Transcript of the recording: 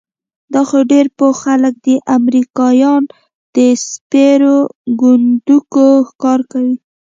دا خو ډېر پوه خلک دي، امریکایان د سپېرکونډکو ښکار کوي؟